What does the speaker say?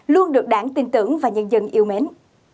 luôn được đảng tin tưởng và nhân dân yêu mến